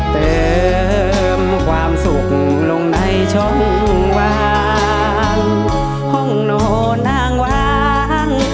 เติมความสุขลงในช่องวางห้องโนนางวาง